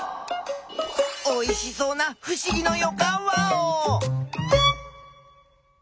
おいしそうなふしぎのよかんワオ！